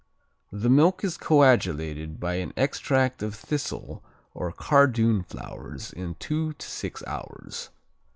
The milk is coagulated by an extract of thistle or cardoon flowers in two to six hours.